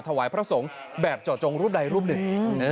ถวายพระสงฆ์แบบเจาะจงรูปใดรูปหนึ่ง